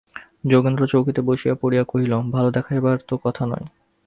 যোগেন্দ্র চৌকিতে বসিয়া-পড়িয়া কহিল, ভালো দেখাইবার তো কথা নয়।